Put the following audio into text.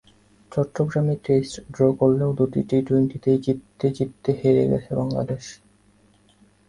চট্টগ্রামে test draw করলেও দুটি টি-টোয়েন্টিতেই জিততে জিততে হেরে গেছে বাংলাদেশ।